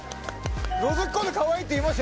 のぞき込んでカワイイって言いましたよね。